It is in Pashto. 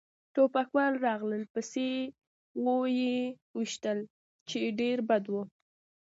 ټوپکوال راغلل پسې و يې ویشتل، چې ډېر بد و.